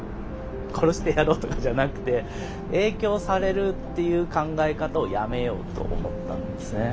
殺してやろうとかじゃなくて影響されるっていう考え方をやめようと思ったんですね。